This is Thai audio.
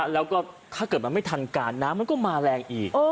แล้วก็ถ้าเกิดมันไม่ทันการน้ำมันก็มาแรงอีก